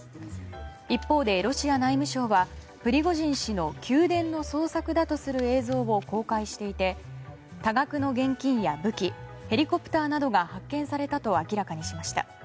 一方で、ロシア内務省はプリゴジン氏の宮殿の捜索だとする映像を公開していて多額の現金や武器ヘリコプターなどが発見されたと明らかにしました。